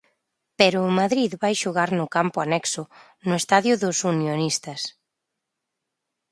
Pero o Madrid vai xogar no campo anexo, no estadio do Unionistas.